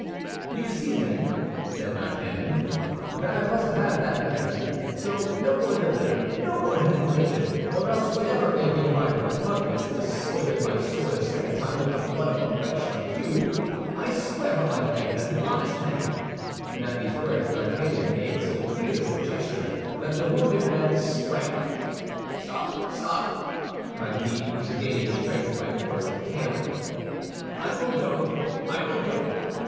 "You see, then," said D'Artagnan, "that I must have that letter. So no more delay, no more hesitation; or else whatever may be my repugnance to soiling my sword a second time with the blood of a wretch like you, I swear by my faith as an honest man—" and at these words D'Artagnan made so fierce a gesture that the wounded man sprang up. "Stop, stop!" cried he, regaining strength by force of terror. "I will go—I will go!"